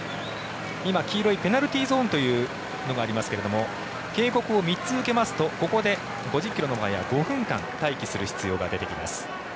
今、黄色いペナルティーゾーンというのがありますが警告を３つ受けますとここで５０ｋｍの場合は５分間待機する必要が出てきます。